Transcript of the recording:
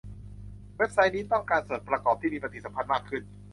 เว็บไซต์นี้ต้องการส่วนประกอบที่มีปฏิสัมพันธ์มากขึ้น